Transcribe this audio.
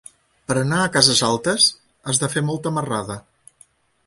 Per anar a Cases Altes has de fer molta marrada.